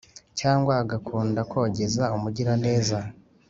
cyangwa agakunda kogeza umugiraneza.